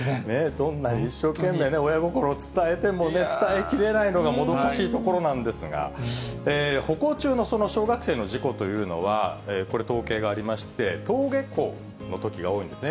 どんなに一生懸命、親心を伝えてもね、伝えきれないのがもどかしいところなんですが、歩行中のその小学生の事故というのは、これ、統計がありまして、登下校のときが多いんですね。